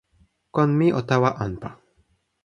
kon mi o tawa anpa.